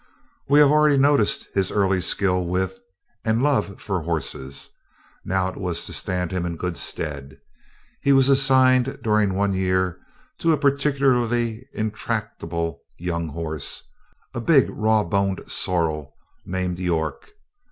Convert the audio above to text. We have already noticed his early skill with, and love for horses. Now it was to stand him in good stead. He was assigned, during one year, to a particularly intractable young horse a big, raw boned sorrel, named York.